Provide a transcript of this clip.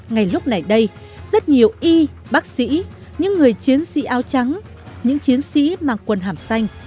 ngay lúc này đây rất nhiều y bác sĩ những người chiến sĩ áo trắng những chiến sĩ mang quần hàm xanh